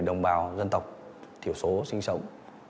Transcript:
đồng bào dân tộc thiểu số sinh sống